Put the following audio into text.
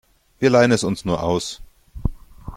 Wir leihen es uns nur aus.